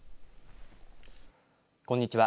こんにちは。